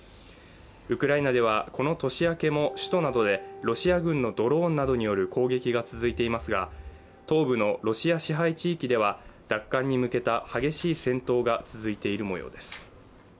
ウクライナではこの年明けも首都などでロシア軍のドローンなどによる攻撃が続いていますが東部のロシア支配地域では奪還に向けた激しい戦闘が続いているもようです。